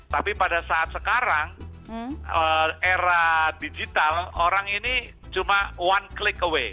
tapi pada saat sekarang era digital orang ini cuma one click away